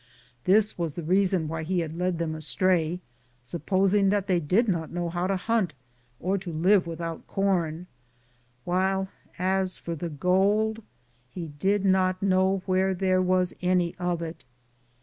This was the reason why he had led them astray, supposing that they did not know how to hunt or to live without com, while as for the gold, he did not know where there was any of it.